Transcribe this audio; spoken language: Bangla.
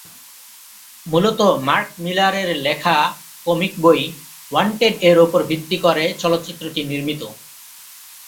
মূলত মার্ক মিলারের লেখা কমিক বই "ওয়ান্টেড"-এর ওপর ভিত্তি করে চলচ্চিত্রটি নির্মিত।